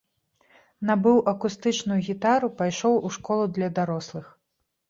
Набыў акустычную гітару, пайшоў у школу для дарослых.